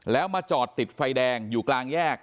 แล้วมาจอดติดไฟแดงอยู่กลางแยก